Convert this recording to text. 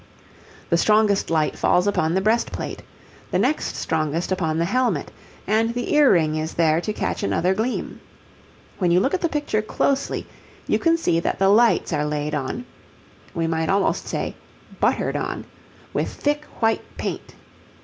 The strongest light falls upon the breastplate, the next strongest upon the helmet, and the ear ring is there to catch another gleam. When you look at the picture closely, you can see that the lights are laid on (we might almost say 'buttered on') with thick white paint.